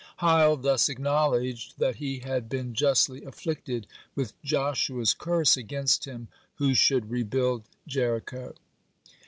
Hiel thus acknowledged that he had been justly afflicted with Joshua's curse against him who should rebuild Jericho.